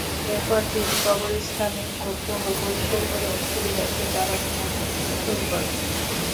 এরপর তিনি কবরস্থানের ঝোপ-জঙ্গল পরিষ্কার করে ঔষধি গাছের চারা রোপণ শুরু করেন।